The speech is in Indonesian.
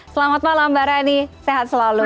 selamat malam mbak rani sehat selalu